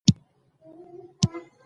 دولت باید د کارنده بنسټونو یوه ټولګه وي.